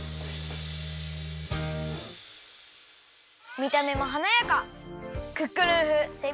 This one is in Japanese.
みためもはなやか！